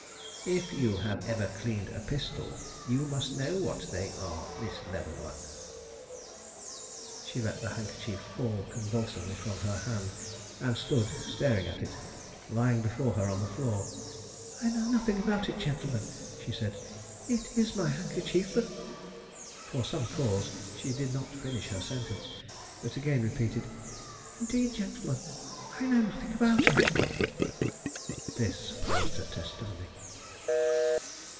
"If you have ever cleaned a pistol, you must know what they are, Miss Leavenworth." She let the handkerchief fall convulsively from her hand, and stood staring at it, lying before her on the floor. "I know nothing about it, gentlemen," she said. "It is my handkerchief, but " for some cause she did not finish her sentence, but again repeated, "Indeed, gentlemen, I know nothing about it!" This closed her testimony.